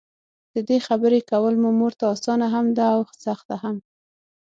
ددې خبري کول مې مورته؛ اسانه هم ده او سخته هم ده.